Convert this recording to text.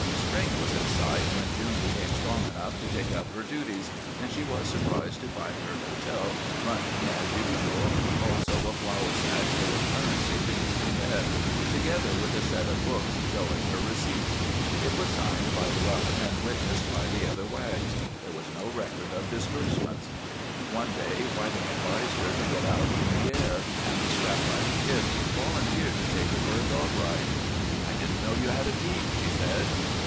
Spring was in sight when June became strong enough to take up her duties, and she was surprised to find her hotel running as usual, also a flour sack full of currency beneath her bed, together with a set of books showing her receipts. It was signed by Llewellyn and witnessed by the other Wags. There was no record of disbursements. One day Whiting advised her to get out in the air, and the Scrap Iron Kid volunteered to take her for a dog ride. "I didn't know you had a team," she said.